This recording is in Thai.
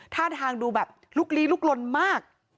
ท่าทางดูแบบลุกลี้ลุกลนมาก